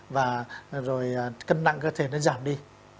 và rồi cân nặng cơ thể nó giảm đi